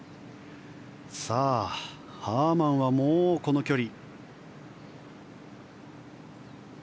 ハーマンはもうこの距離。